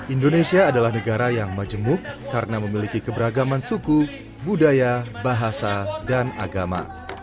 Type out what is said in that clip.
indonesia adalah negara yang majemuk karena memiliki keberagaman suku budaya bahasa dan agama